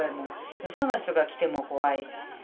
よその人が来ても怖い。